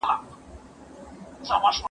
د مځکي ساتنه د ټولو انسانانو شریکه دنده ده.